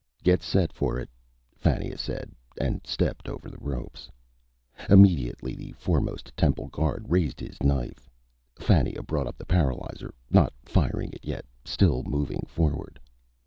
"Get set for it," Fannia said, and stepped over the ropes. Immediately the foremost temple guard raised his knife. Fannia brought up the paralyzer, not firing it yet, still moving forward.